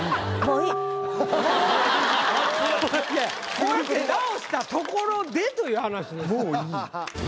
こうやって直したところでという話ですから。